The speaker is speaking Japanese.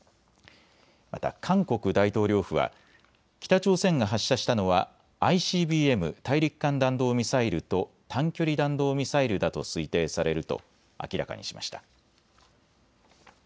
また韓国大統領府は北朝鮮が発射したのはＩＣＢＭ・大陸間弾道ミサイルと短距離弾道ミサイルだと推定されると明らかにしました。